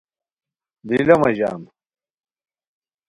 دی لہ مہ ژان